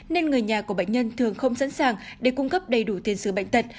nên người nhà của bệnh nhân thường không sẵn sàng để cung cấp đầy đủ tiền sự bệnh tật